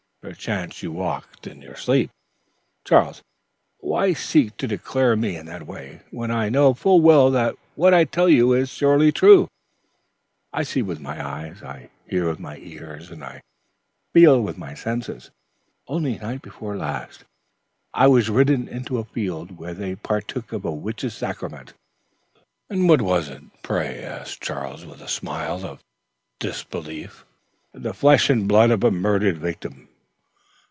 "Perchance you walked in your sleep." "Charles, why seek to deceive me in that way, when I know full well that what I tell you is surely truth? I see with my eyes, I hear with my ears, and I feel with my senses. Only night before last, I was ridden into a field where they partook of a witches' sacrament." "And what was it, pray?" asked Charles with a smile of incredulity. "The flesh and blood of a murdered victim."